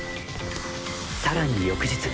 さらに翌日。